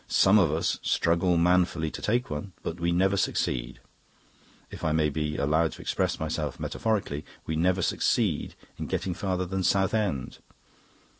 Some of us struggle manfully to take one, but we never succeed, if I may be allowed to express myself metaphorically, we never succeed in getting farther than Southend."